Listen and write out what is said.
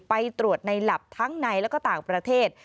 ไปตรวจในหลับทั้งในและก็ต่างประเทศ